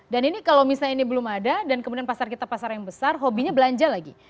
dan ini kalau misalnya ini belum ada dan kemudian pasar kita pasar yang besar hobinya belanja lagi